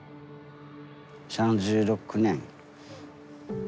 ３６年。